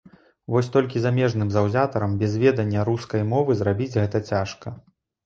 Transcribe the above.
Вось толькі замежным заўзятарам без ведання рускай мовы зрабіць гэта цяжка.